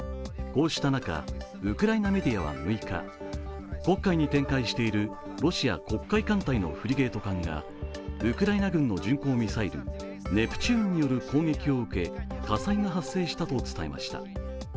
こうした中、ウクライナメディアは６日、黒海に展開しているロシア黒海艦隊のフリゲート艦がウクライナ軍の巡航ミサイルネプチューンによる攻撃を受け火災が発生したと伝えました。